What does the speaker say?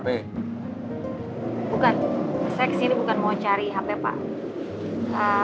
bukan saya kesini bukan mau cari hp pak